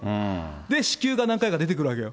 で、子宮が何回か出てくるわけよ。